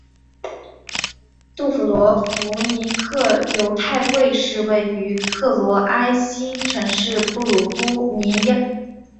杜布罗夫尼克犹太会堂是位于克罗埃西亚城市杜布罗夫尼克的一座犹太会堂。